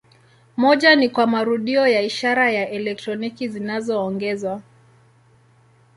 Moja ni kwa marudio ya ishara za elektroniki zinazoongezwa.